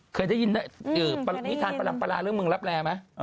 เคยได้ยินนิทานประลำปลาเรื่องเมืองรับแรไหม